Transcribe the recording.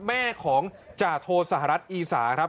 แม่ของจาโทสหรัฐอีสาครับ